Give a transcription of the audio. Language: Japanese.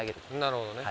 なるほどね。